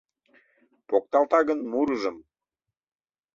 Покталта гын мурыжым